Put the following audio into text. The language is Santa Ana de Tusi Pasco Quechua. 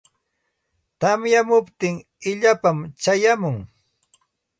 Tamyamuptin illapam chayamun.